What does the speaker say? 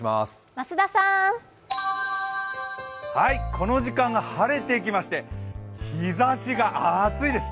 この時間、晴れてきまして、日ざしが暑いです。